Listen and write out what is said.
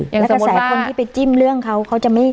และกระแสคนที่ไปจิ้มเรื่องเขา